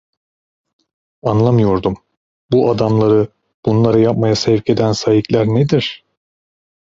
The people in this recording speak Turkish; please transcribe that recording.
Anlamıyordum, bu adamları, bunları yapmaya sevk eden saikler nedir?